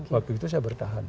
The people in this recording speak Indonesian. waktu itu saya bertahan